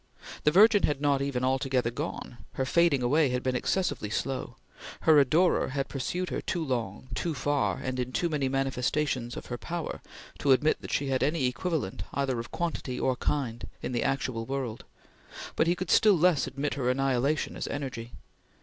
The Virgin had not even altogether gone; her fading away had been excessively slow. Her adorer had pursued her too long, too far, and into too many manifestations of her power, to admit that she had any equivalent either of quantity or kind, in the actual world, but he could still less admit her annihilation as energy.